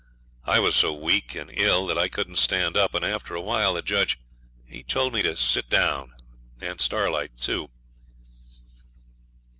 I was so weak and ill that I couldn't stand up, and after a while the judge told me to sit down, and Starlight too.